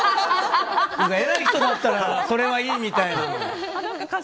偉い人だったらいいみたいな。